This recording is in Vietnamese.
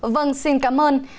vâng xin cảm ơn